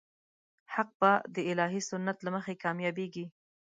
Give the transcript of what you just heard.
حق به د الهي سنت له مخې کامیابېږي.